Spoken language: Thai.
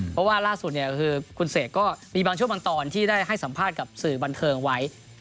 เพราะว่าล่าสุดเนี่ยคือคุณเสกก็มีบางช่วงบางตอนที่ได้ให้สัมภาษณ์กับสื่อบันเทิงไว้